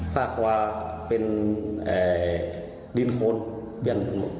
ผ้ากวาเป็นดินคลทุก